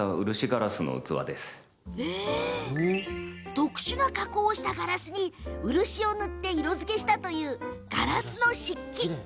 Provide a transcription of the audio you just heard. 特殊な加工をしたガラスに漆を塗って色づけしたというガラスの漆器。